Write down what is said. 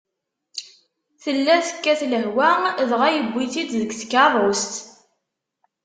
Tella tekkat lehwa, dɣa yewwi-tt-id deg tkeṛṛust.